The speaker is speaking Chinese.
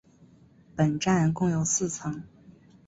本站共有四层。